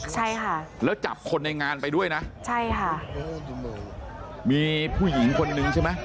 ใช่ค่ะแล้วจับคนในงานไปด้วยนะใช่ค่ะมีผู้หญิงคนนึงใช่ไหม